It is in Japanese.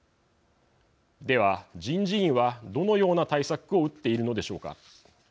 では人事院はどのような対策を打っているのでしょうか。